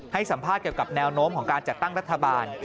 ให้สัมภาษณ์เกี่ยวกับแนวโน้มของการจัดตั้งรัฐบาล